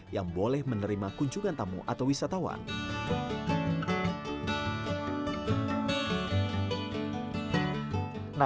yang boleh menerima kunjungan tamu atau wisatawan